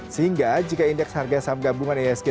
sehingga jika indeks harga saham gabungan asg tersebut